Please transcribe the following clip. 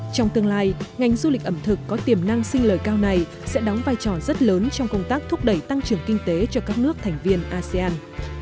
trong tương lai ngành du lịch ẩm thực có tiềm năng sinh lời cao này sẽ đóng vai trò rất lớn trong công tác thúc đẩy tăng trưởng kinh tế cho các nước thành viên asean